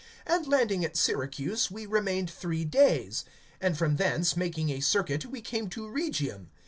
(12)And landing at Syracuse, we remained three days. (13)And from thence, making a circuit[28:13], we came to Rhegium.